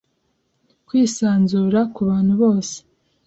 kwisanzura ku bantu bose